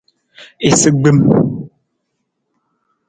Isagbim.